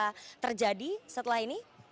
segera terjadi setelah ini